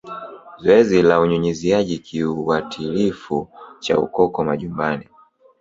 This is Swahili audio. Zoezi la Unyunyiziaji kiuatilifu cha Ukoko majumbani